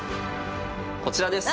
こちらです！